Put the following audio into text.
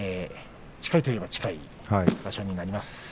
静岡も近いといえば近い場所になります。